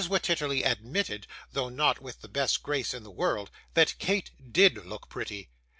Wititterly admitted, though not with the best grace in the world, that Kate DID look pretty.